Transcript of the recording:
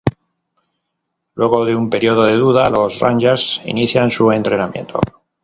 Luego de un período de duda, los rangers inician su entrenamiento.